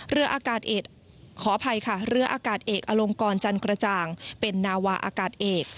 เรืออากาศเอกอลงกรจันกระจ่างเป็นนาวาอากาศเอก